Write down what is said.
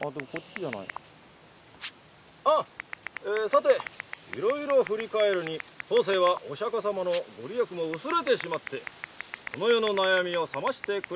「さていろいろ振り返るに当世はお釈様のご利益も薄れてしまってこの世の悩みを覚ましてくれるような人もおらぬ」。